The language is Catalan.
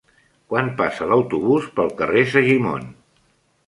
Quan passa l'autobús pel carrer Segimon?